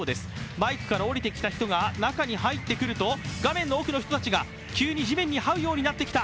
バイクから降りてきた人が中に入ってくると、画面の奥の人たちが急に地面にはうようになってきた。